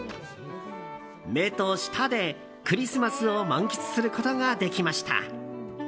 目と舌で、クリスマスを満喫することができました。